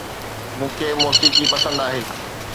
مون کي موسيقي پسند آهي